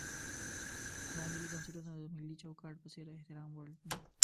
دا ملي بنسټونه د ملي چوکاټ په څېر د احترام وړ دي.